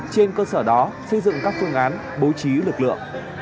trên cơ sở đó xây dựng các phương án bố trí lực lượng